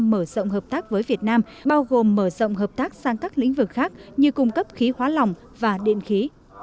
mở rộng hợp tác với việt nam bao gồm mở rộng hợp tác sang các lĩnh vực khác như cung cấp khí hóa lỏng và điện khí